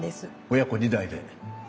親子２代で？